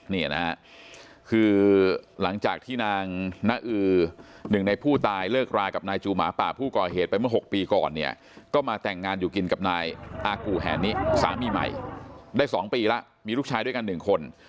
นี่นะฮะคือหลังจากที่นางน้าอือหนึ่งในผู้ตายเลิกรากับนายจูหมาป่าผู้ก่อเหตุไปเมื่อ๖ปีก่อนเนี่ยก็มาแต่งงานอยู่กินกับนายอากูแหนิสามีใหม่ได้๒ปีแล้วมีลูกชายด้วยกัน๑คน